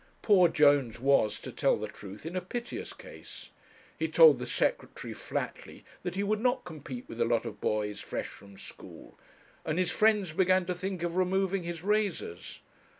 Poor Jones was, to tell the truth, in a piteous case. He told the Secretary flatly that he would not compete with a lot of boys fresh from school, and his friends began to think of removing his razors.